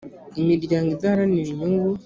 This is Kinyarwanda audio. imiryango idaharanira inyungu